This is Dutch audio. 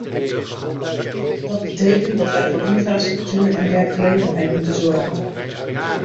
Dat betekent dat wij voor infrastructuur en werkgelegenheid moeten zorgen.